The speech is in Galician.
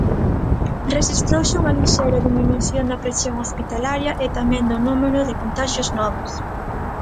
Rexistrouse unha lixeira diminución da presión hospitalaria e tamén do número de contaxios novos.